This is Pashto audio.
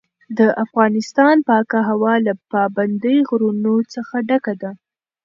د افغانستان پاکه هوا له پابندي غرونو څخه ډکه ده.